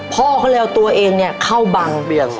พ่อเขาเลยเอาตัวเองเข้าบัง